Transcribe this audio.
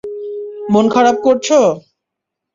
মন খারাপ করছো?